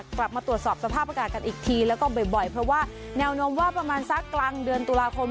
กลับมาตรวจสอบสภาพอากาศกันอีกทีแล้วก็บ่อยเพราะว่าแนวโน้มว่าประมาณสักกลางเดือนตุลาคม